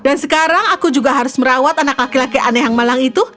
dan sekarang aku juga harus merawat anak laki laki aneh yang malang itu